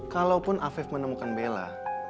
kalaupun afif menemukan bella